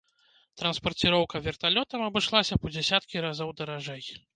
Транспарціроўка верталётам абышлася б у дзясяткі разоў даражэй.